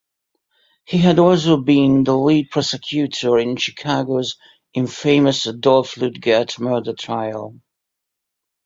He had also been the lead prosecutor in Chicago's infamous Adolph Luetgert murder trial.